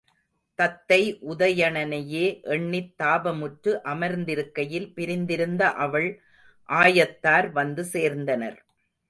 தத்தை உதயணனையே எண்ணித் தாபமுற்று அமர்ந்திருக்கையில் பிரிந்திருந்த அவள் ஆயத்தார் வந்து சேர்ந்தனர்.